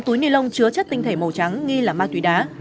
tám túi nilon chứa chất tinh thể màu trắng nghi là ma túy đá